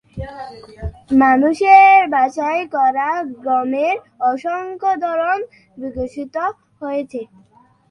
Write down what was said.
মানুষের বাছাই করা গমের অসংখ্য ধরন বিকশিত হয়েছে।